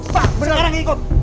pak sekarang ikut